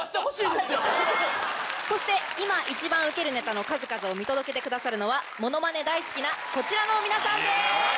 そして今一番ウケるネタの数々を見届けてくださるのはものまね大好きなこちらの皆さんです。